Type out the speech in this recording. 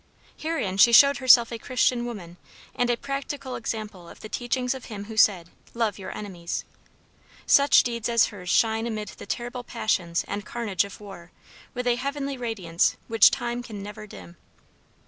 Herein she showed herself a Christian woman and a practical example of the teachings of Him who said, "Love your enemies." Such deeds as her's shine amid the terrible passions and carnage of war with a heavenly radiance which time can never dim.